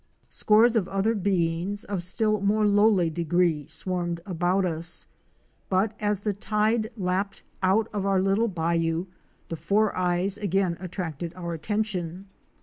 Scores of other beings of still more lowly degree swarmed about us, but as the tide lapped out of our little bayou, the four eyes again attracted our attention.